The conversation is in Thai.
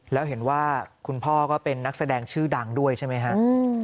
แล้วเห็นว่าคุณพ่อก็เป็นนักแสดงชื่อดังด้วยใช่ไหมครับ